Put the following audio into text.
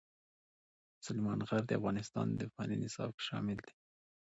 سلیمان غر د افغانستان د پوهنې نصاب کې شامل دي.